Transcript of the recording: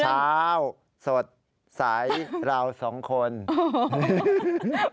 ชาวสวัสดิ์ไหร่สองคนน่ะ